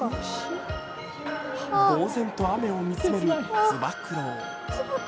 ぼう然と雨を見つめるつば九郎。